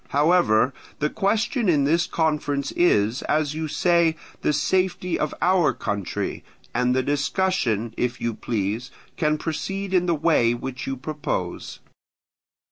However, the question in this conference is, as you say, the safety of our country; and the discussion, if you please, can proceed in the way which you propose.